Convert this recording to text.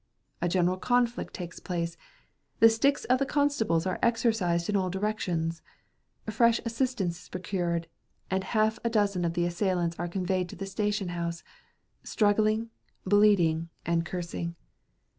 A general conflict takes place; the sticks of the constables are exercised in all directions; fresh assistance is procured; and half a dozen of the assailants are conveyed to the station house, struggling, bleeding, and cursing.